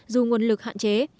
dù nguồn lực hạn chế